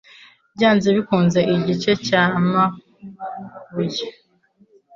byanze bikunze) Igice cy'amabuye